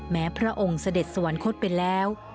พระองค์เสด็จสวรรคตไปแล้ว